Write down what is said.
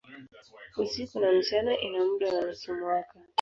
Usiku na mchana ina muda wa nusu mwaka.